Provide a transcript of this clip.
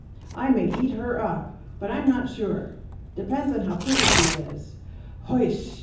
I may eat her up, but I am not sure. Depends upon how pretty she is! Hoish!